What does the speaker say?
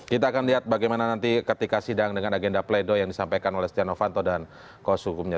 kita akan lihat bagaimana nanti ketika sidang dengan agenda pleidoi yang disampaikan oleh cian hovanto dan kos hukumnya